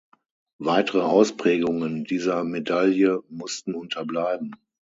Weitere Ausprägungen dieser Medaille mussten unterbleiben.